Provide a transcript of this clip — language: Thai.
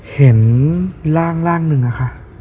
เห็นร่างหนึ่งอะค่ะ